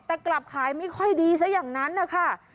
แต่กลับขายไม่ค่อยดีซะอย่างนั้นนะคะ